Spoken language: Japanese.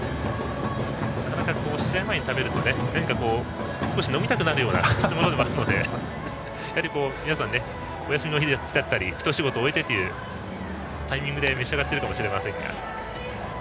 なかなか試合前に食べると少し飲みたくなるような気持ちにもなるのでやはり皆さん、お休みの日や一仕事終えてというタイミングで召し上がっているかもしれませんが。